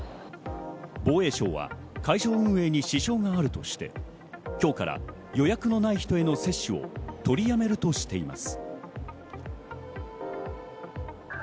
防衛省は会場運営に支障があるとして、今日から予約がない人への接種を取りやめるとしています。